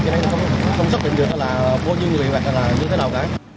thế này không xác định được là bao nhiêu người hoặc là như thế nào cả